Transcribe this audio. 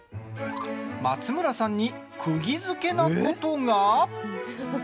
松村さんにくぎづけなことが？